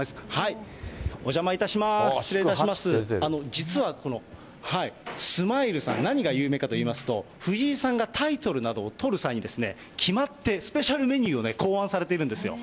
実はこのスマイルさん、何が有名かというと、藤井さんがタイトルなどを取る際に、決まってスペシャルメニューを考案されているんですよ。